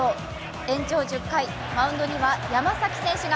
延長１０回、マウンドには山崎選手が。